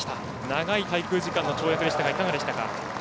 長い滞空時間の跳躍でしたが、いかがでしたか？